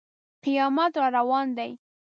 قیامت را روان دی.